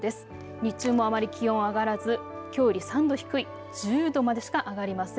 日中もあまり気温上がらずきょうより３度低い１０度までしか上がりません。